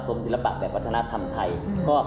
ศิลปะแบบวัฒนธรรมไทย